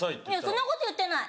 そんなこと言ってない。